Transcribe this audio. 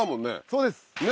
そうです！